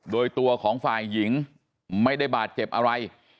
โดยตัวของฝ่ายหญิงไม่ได้บาดเจ็บอะไร